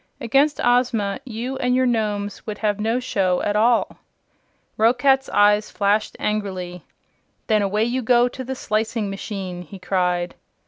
Against Ozma you and your Nomes would have no show at all." Roquat's eyes flashed angrily. "Then away you go to the slicing machine!" he cried.